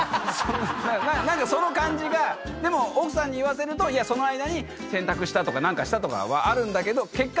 何かその感じがでも奥さんに言わせるとその間に洗濯したとか何かしたとかはあるんだけど結果